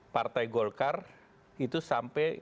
partai golkar itu sampai